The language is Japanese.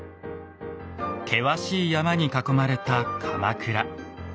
険しい山に囲まれた鎌倉。